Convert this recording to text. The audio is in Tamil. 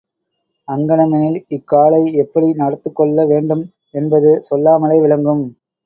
அங்ஙனமெனில், இக்காலை எப்படி நடத்து கொள்ள வேண்டும் என்பது சொல்லாமலே விளங்கும்.